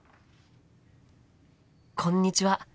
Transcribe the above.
「こんにちは。